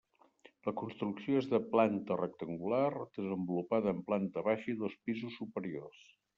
La construcció és de planta rectangular desenvolupada en planta baixa i dos pisos superiors.